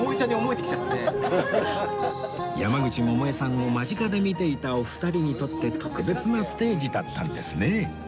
山口百恵さんを間近で見ていたお二人にとって特別なステージだったんですね